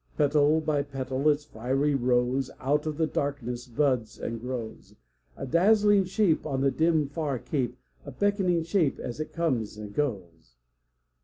Petal by petal its fiery rose Out of the darkness buds and grows; A dazzling shape on the dim, far cape, A beckoning shape as it comes and goes.